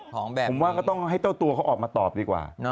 ผมว่าก็ต้องให้เจ้าตัวเขาออกมาตอบดีกว่า